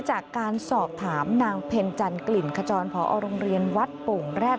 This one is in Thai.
จากการสอบถามนางเพ็ญจันกลิ่นขจรพอโรงเรียนวัดโป่งแร็ด